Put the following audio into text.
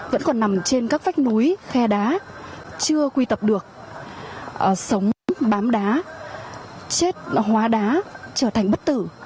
vẫn còn nằm trên các vách núi khe đá chưa quy tập được sống bám đá chết hóa đá trở thành bất tử